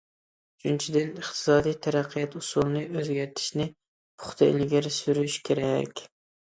ئۈچىنچىدىن، ئىقتىسادىي تەرەققىيات ئۇسۇلىنى ئۆزگەرتىشنى پۇختا ئىلگىرى سۈرۈش كېرەك.